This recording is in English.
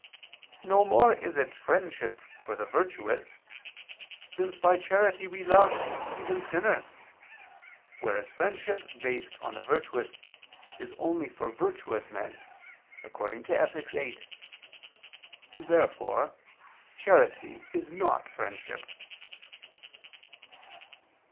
No more is it friendship for the virtuous, since by charity we love even sinners, whereas friendship based on the virtuous is only for virtuous men (Ethic. viii). Therefore charity is not friendship.